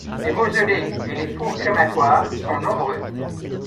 Les mausolées et les fours crématoires sont nombreux.